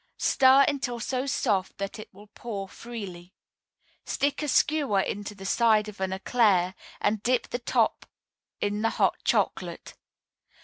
Stir until so soft that it will pour freely. Stick a skewer into the side of an éclair, and dip the top in the hot chocolate.